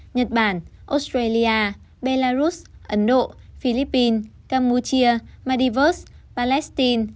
nhật bản australia belarus ấn độ philippines cambodia madivost palestine